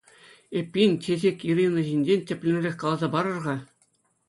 Эппин, Чечек-Ирина ҫинчен тӗплӗнрех каласа парӑр-ха?